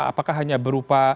apakah hanya berupa